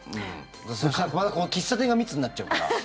そうしたら、また喫茶店が密になっちゃうから。